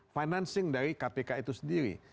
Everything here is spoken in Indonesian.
financing dari kpk itu sendiri